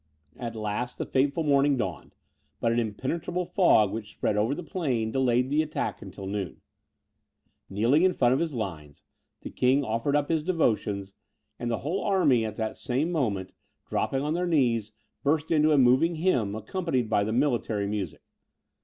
At last the fateful morning dawned; but an impenetrable fog, which spread over the plain, delayed the attack till noon. Kneeling in front of his lines, the king offered up his devotions; and the whole army, at the same moment dropping on their knees, burst into a moving hymn, accompanied by the military music.